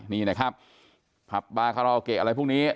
นี่นะครับครับบาคาราวเกกอะไรพรุ่งนี้